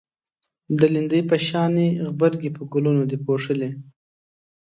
د لیندۍ په شانی غبرگی په گلونو دی پوښلی